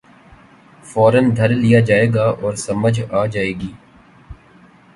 فورا دھر لیا جائے گا اور سمجھ آ جائے گی۔